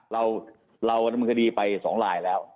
เรากำลังคดีไป๒รายแล้ว